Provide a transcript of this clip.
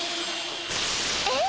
えっ？